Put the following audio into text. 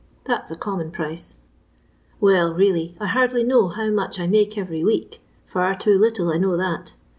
That 's a conmiou pricf. " Well, really, I hardly know how much I make every week ; far too little, I know that.